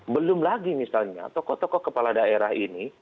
belum lagi misalnya tokoh tokoh kepala daerah ini